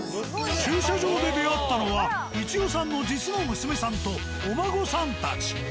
駐車場で出会ったのは一夫さんの実の娘さんとお孫さんたち。